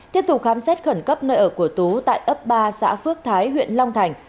tiếp tục khám xét khẩn cấp nơi ở của tú tại ấp ba xã phước thái huyện long thành